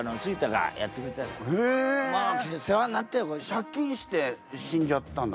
借金して死んじゃったんだ。